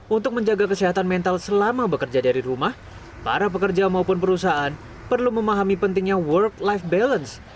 untuk menjaga kesehatan mental selama bekerja dari rumah para pekerja maupun perusahaan perlu memahami pentingnya work life balance